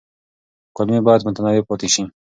کولمې باید متنوع پاتې شي.